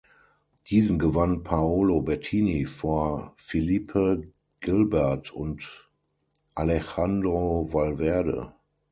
Diesen gewann Paolo Bettini vor Philippe Gilbert und Alejandro Valverde.